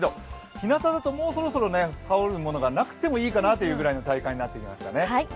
ひなただと、もうそろそろ羽織るものがなくてもいいかなという体感になってきましたね。